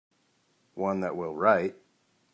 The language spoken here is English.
One that will write.